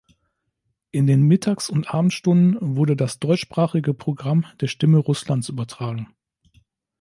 In den Mittags- und Abendstunden wurde das deutschsprachige Programm der Stimme Russlands übertragen.